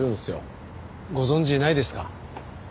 ご存じないですか？